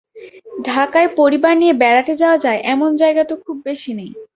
ঢাকায় পরিবার নিয়ে বেড়াতে যাওয়া যায় এমন জায়গা তো খুব বেশি নেই।